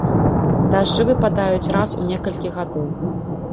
Дажджы выпадаюць раз у некалькі гадоў.